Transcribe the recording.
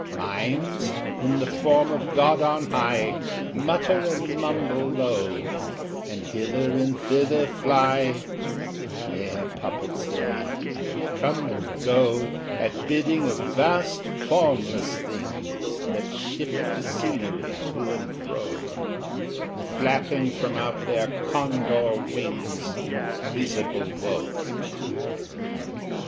Mimes, in the form of God on high, Mutter and mumble low, And hither and thither fly Mere puppets they, who come and go At bidding of vast formless things That shift the scenery to and fro, Flapping from out their Condor wings Invisible Woe!